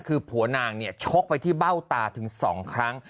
คือผัวนางเนี่ยชกไปที่เบ้าตาถึง๒ครั้ง